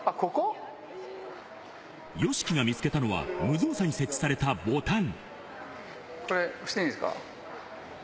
ＹＯＳＨＩＫＩが見つけたのは、無造作に設置されたボタン。